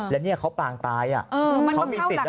แล้วเนี่ยเขาปางตายอะ